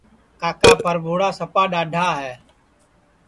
کاکا بھورا سپا ڈؔاڈھا ہے